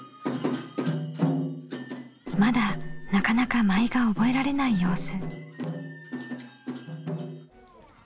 まだなかなか舞が覚えられない様子。